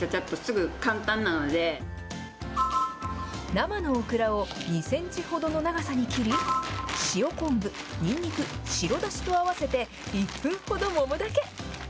生のオクラを２センチほどの長さに切り、塩昆布、にんにく、白だしと合わせて、１分ほどもむだけ。